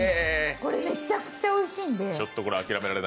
これめちゃくちゃおいしいんで。